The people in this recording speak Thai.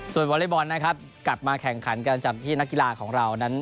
ส่วนวอเล็กบอลนะครับกลับมาแข่งขันกันจากที่นักกีฬาของเรานั้น